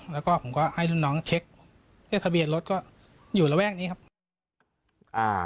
แล้วก็ผมก็ให้รุ่นน้องเช็คเลขทะเบียนรถก็อยู่ระแวกนี้ครับ